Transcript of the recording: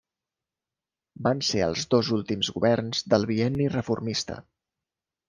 Van ser els dos últims governs del bienni reformista.